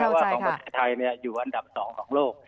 ว่าของประเทศไทยอยู่อันดับ๒ของโลก